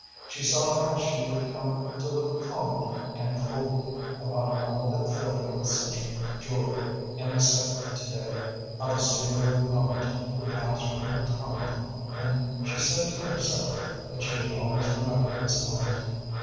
She saw how she would come to look calmly and coldly upon all that filled her with such joy and excitement to day; how the savor of the moment would pass from her tongue, and she said to herself that she would always remember this moment.